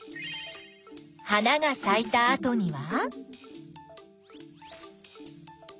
花がさいたあとには。